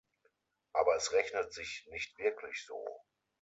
Aber es rechnet sich nicht wirklich so.